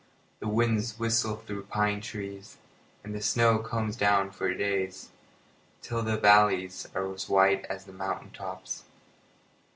The winds whistle through the pine trees, and the snow comes down for days, till the valleys are as white as the mountain tops.